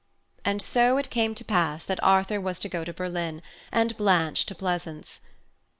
And so it came to pass that Arthur was to go to Berlin, and Blanche to Pleasance. Dr.